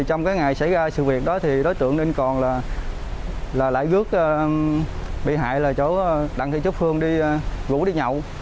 trong ngày xảy ra sự việc đó đối tượng đinh còn lại gước bị hại là chỗ đặng thị trúc phương gũ đi nhậu